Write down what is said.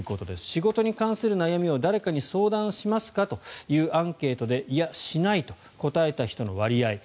仕事に関する悩みを誰かに相談しますかというアンケートでいや、しないと答えた人の割合